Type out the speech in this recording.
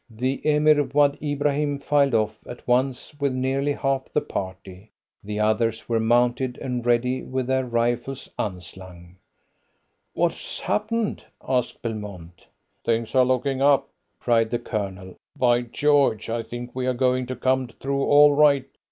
The Emir Wad Ibrahim filed off at once with nearly half the party. The others were mounted and ready, with their rifles unslung. "What's happened?" asked Belmont. "Things are looking up," cried the Colonel. "By George, I think we are going to come through all right.